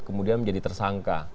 kemudian menjadi tersangka